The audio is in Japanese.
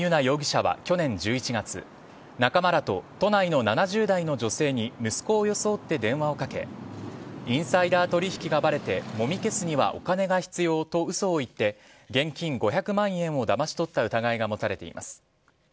容疑者は去年１１月仲間らと都内の７０代の女性に息子を装って電話をかけインサイダー取引がばれてもみ消すにはお金が必要と嘘を言って現金５００万円をだまし取った疑いが持たれています。